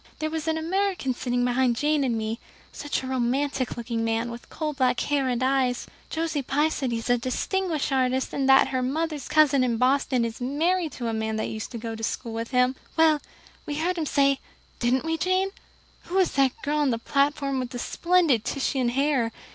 There was an American sitting behind Jane and me such a romantic looking man, with coal black hair and eyes. Josie Pye says he is a distinguished artist, and that her mother's cousin in Boston is married to a man that used to go to school with him. Well, we heard him say didn't we, Jane? 'Who is that girl on the platform with the splendid Titian hair?